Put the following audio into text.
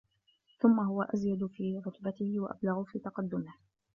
ثُمَّ هُوَ أَزْيَدُ فِي رُتْبَتِهِ وَأَبْلَغُ فِي تَقَدُّمِهِ